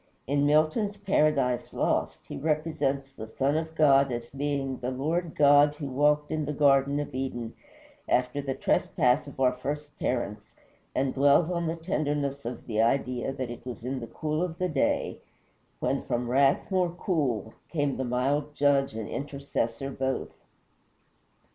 In Milton's "Paradise Lost" he represents the Son of God as being "the Lord God who walked in the Garden of Eden" after the trespass of our first parents, and dwells on the tenderness of the idea that it was in the cool of the day, "when from wrath more cool Came the mild Judge and Intercessor both."